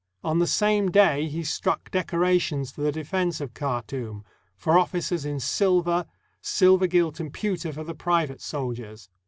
On the same day he struck decorations for the defense of Khartoum — for officers in silver, silver gilt and pewter for the private soldiers.